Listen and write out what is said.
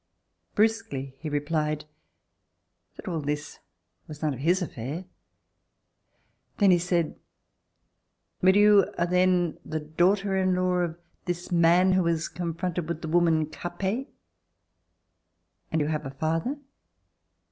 Brusquely he replied that all this was none of his affair. Then he said: "But you are then the daughter in law of this man who was confronted with the woman Capet ?... And you have a father